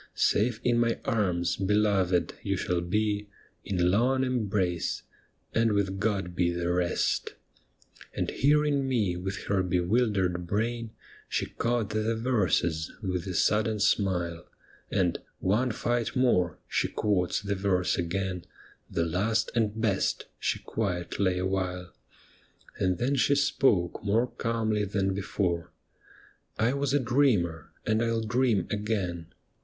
'" Safe in my arms, beloved, you shall be In long embrace, " and with God he the rest" ' And hearing me with her bewildered brain. She caught the verses with a sudden smile, And ' One fight more,' she quotes the verse again, ' The last and hest,' she quiet lay a while, And then she spoke more calmly than before: ' I was a dreamer, and I '11 dream again.